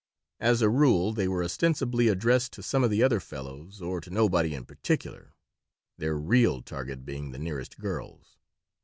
As a rule they were ostensibly addressed to some of the other fellows or to nobody in particular, their real target being the nearest girls.